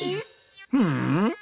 うん？